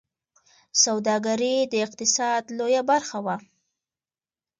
سوداګري د اقتصاد لویه برخه وه